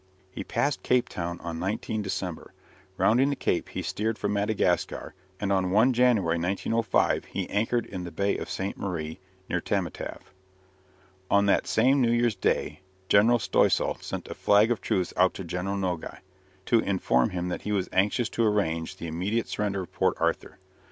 He passed Cape Town on 19 December. Rounding the Cape, he steered for Madagascar, and on 1 January, 1905, he anchored in the Bay of Ste. Marie, near Tamatave. On that same New Year's Day General Stoessel sent a flag of truce out to General Nogi, to inform him that he was anxious to arrange the immediate surrender of Port Arthur.